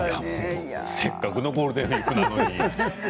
せっかくのゴールデンウイークなのに。